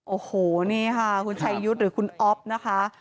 โอ้โหนี่ค่ะคุณชัยยุทธ์หรือคุณอ๊อฟนะคะ